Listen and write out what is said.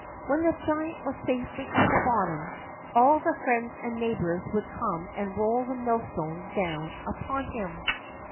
When the giant was safely at the bottom, all the friends and neighbors would come and roll the millstones down upon him.